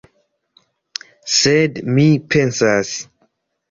Sed mi pensas!